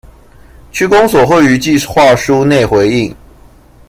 區公所會於計畫書內回應